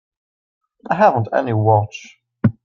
I haven't any watch.